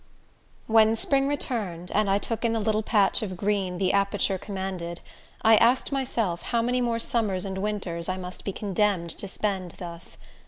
When spring returned, and I took in the little patch of green the aperture commanded, I asked myself how many more summers and winters I must be condemned to spend thus.